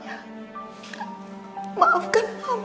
tapi kau tahu kan bahwa bapak kau keras sekali orangnya